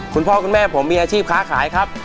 คุณพ่อคุณแม่ผมมีอาชีพค้าขายครับ